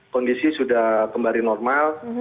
kondisi sudah kembali normal